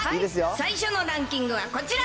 最初のランキングはこちら。